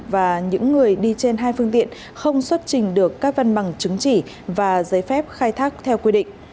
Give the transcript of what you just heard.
và những người đi trên hai phương tiện không xuất trình được các văn bằng chứng chỉ và giấy phép khai thác theo quy định